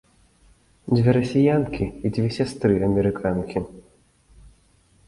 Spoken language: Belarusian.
Дзве расіянкі і дзве сястры-амерыканкі.